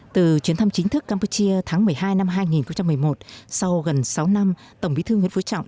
từ chuyến thăm chính thức campuchia tháng một mươi hai năm hai nghìn một mươi một sau gần sáu năm tổng bí thư nguyễn phú trọng